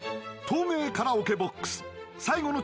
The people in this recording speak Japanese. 透明カラオケボックス